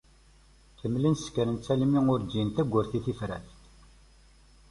Kemmlen ssekren-tt armi ur ǧǧin tawwurt i tifrat.